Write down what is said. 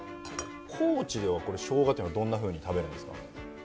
高知ではしょうがっていうのはどんなふうに食べるんですか？